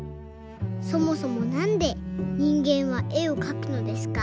そもそもなんで人間は絵をかくのですか？